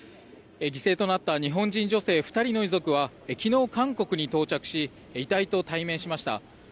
犠牲となった日本人女性２人の遺族は昨日、韓国に到着し遺体と対面しました。